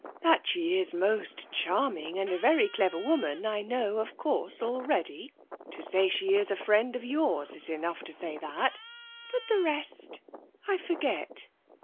That she is most charming and a very clever woman I know, of course, already. To say she is a friend of yours is enough to say that, but the rest I forget.